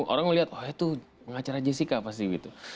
orang melihat oh itu pengacara jessica pasti gitu